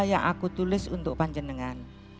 yang aku tulis untuk panjenengan